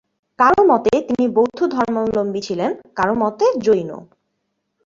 কারও মতে তিনি বৌদ্ধ ধর্মাবলম্বী ছিলেন, কারও মতে জৈন।